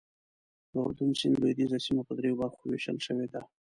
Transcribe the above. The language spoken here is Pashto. د اردن سیند لوېدیځه سیمه په دریو برخو ویشل شوې ده.